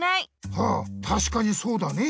はあたしかにそうだね。